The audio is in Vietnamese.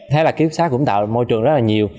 thế là kế túc xá cũng tạo môi trường rất là nhiều